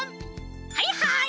はいはい